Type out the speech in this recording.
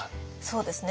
そうですね。